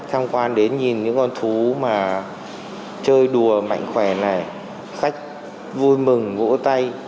tham quan đến nhìn những con thú mà chơi đùa mạnh khỏe này khách vui mừng gỗ tay